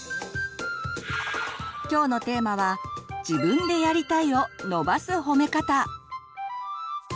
きょうのテーマは「自分でやりたいを伸ばす褒め方」。